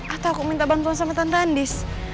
atau aku minta bantuan sama tante andis